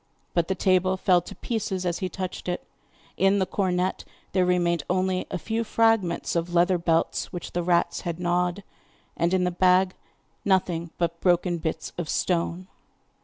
But the table fell to pieces as he touched it, in the cornet there remained only a few fragments of leathern belts which the rats had gnawed, and in the bag nothing but broken bits of stone.